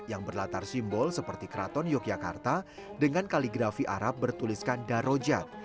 yang berlatar simbol seperti keraton yogyakarta dengan kaligrafi arab bertuliskan daro jat